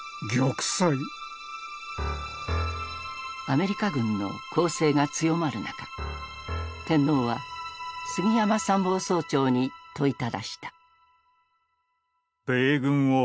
アメリカ軍の攻勢が強まる中天皇は杉山参謀総長に問いただした。